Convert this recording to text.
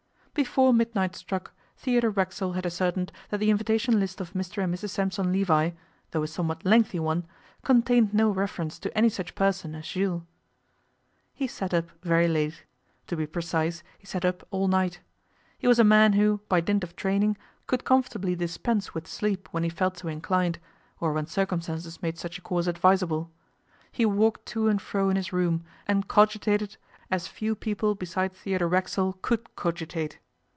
Before midnight struck Theodore Racksole had ascertained that the invitation list of Mr and Mrs Sampson Levi, though a somewhat lengthy one, contained no reference to any such person as Jules. He sat up very late. To be precise, he sat up all night. He was a man who, by dint of training, could comfortably dispense with sleep when he felt so inclined, or when circumstances made such a course advisable. He walked to and fro in his room, and cogitated as few people beside Theodore Racksole could cogitate.